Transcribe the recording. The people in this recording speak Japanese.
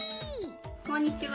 こんにちは。